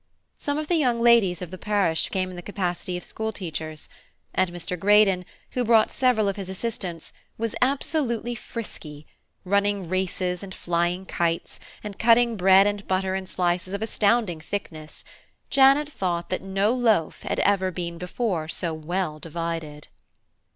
Some of the young ladies of the parish came in the capacity of school teachers, and Mr. Greydon, who brought several of his assistants, was absolutely frisky; running races and flying kites, and cutting bread and butter in slices of astounding thickness–Janet thought that no loaf had ever before been so well divided.